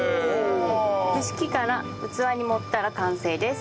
蒸し器から器に盛ったら完成です。